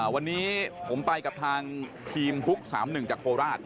วันนี้ผมไปกับทางทีมฮุก๓๑จากโคราช